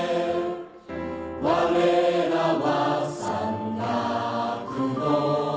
われらは山岳の